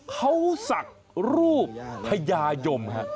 เขาศักดิ์รูปทะยายมค่ะ